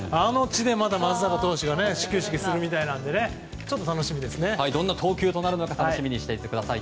松坂投手が始球式するみたいなのでどんな投球になるのか楽しみにしていたください。